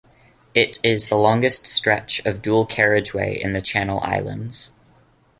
It is the longest stretch of dual carriageway in the Channel Islands.